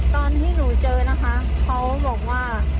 ตอนที่หนูเจอนะคะเขาบอกว่า